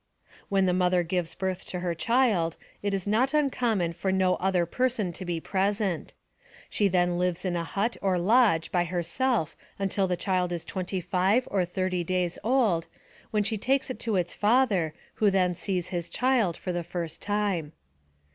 When the mother gives birth to her child, it is not uncommon for no other person to be present. She then lives in a hut or lodge by herself until the child is twenty five or thirty days old, when she takes it to its father, who then sees his child for the first time.